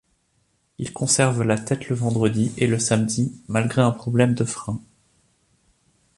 Il conserve la tête le vendredi et le samedi, malgré un problème de frein.